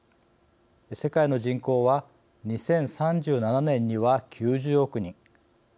世界の人口は２０３７年には９０億人